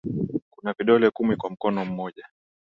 Kuna vidole kumi kwa mkono mmoja